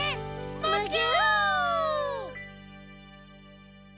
むぎゅ！